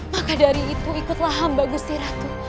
maka dari itu ikutlah hamba gusti ratu